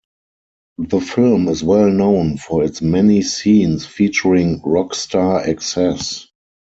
The film is well known for its many scenes featuring rock star excess.